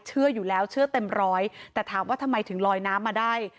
เชื่ออยู่แล้วเชื่อเต็มร้อยแต่ถามว่าทำไมถึงลอยน้ำมาได้